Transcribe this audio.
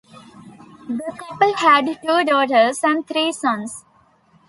The couple had two daughters and three sons.